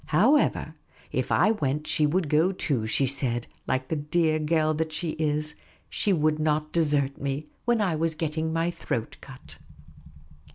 However, if I went, she would go too, she said, like a dear girl that she is ; she would not desert me when I was getting my throat cut.